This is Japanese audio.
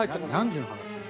何時の話？